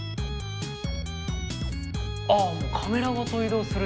あカメラごと移動する。